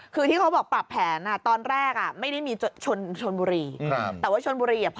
คือที่เขาบอกปรับแผนนะตอนแรกไม่ได้ชนบุรี